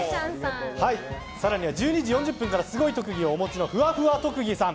更には１２時４０分からすごい特技をお持ちのふわふわ特技さん。